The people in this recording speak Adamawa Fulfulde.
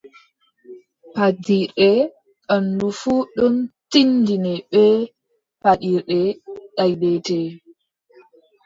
Paddirɗe ɓanndu fuu ɗon tinndine bee : Paddirɗe daydetee.